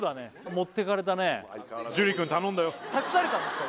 持ってかれたね託されたんですか？